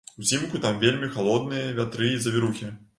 Узімку там вельмі халодныя вятры і завірухі.